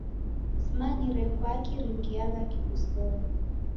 Simanyire kwaki ringiagha kivisonyi.